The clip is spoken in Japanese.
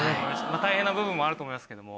大変な部分もあると思いますけども。